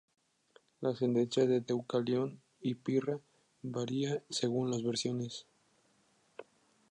La descendencia de Deucalión y Pirra varía según las versiones.